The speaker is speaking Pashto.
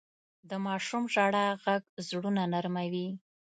د ماشوم ژړا ږغ زړونه نرموي.